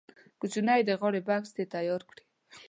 کوچنی د غاړې بکس دې تیار کړي.